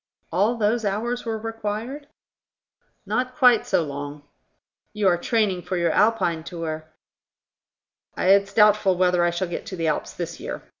"All those hours were required?" "Not quite so long." "You are training for your Alpine tour." "It's doubtful whether I shall get to the Alps this year.